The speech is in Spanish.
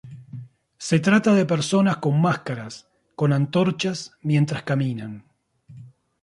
Se trata de personas con máscaras, con antorchas, mientras caminan.